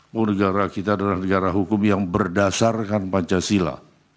bahwa negara kita adalah negara hukum yang berdasarkan pancasila